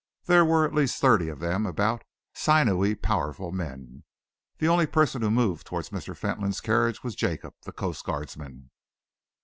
There were at least thirty of them about, sinewy, powerful men. The only person who moved towards Mr. Fentolin's carriage was Jacob, the coast guardsman.